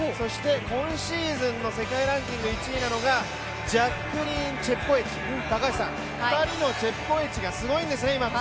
今シーズンの世界ランキング１位なのがジャックリーン・チェプコエチ、高橋さん、２人のチェプコエチがすごいんですね。